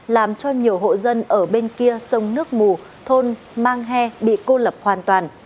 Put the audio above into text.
làm cho nhiều hộ dân ở bên kia sông nước mù thôn mang he bị cô lập hoàn toàn